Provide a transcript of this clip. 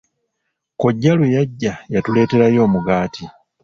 Kkojja lwe yajja yatuleeterayo omugaati.